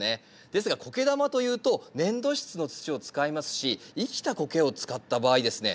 ですがコケ玉というと粘土質の土を使いますし生きたコケを使った場合ですね